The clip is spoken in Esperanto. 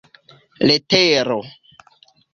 letero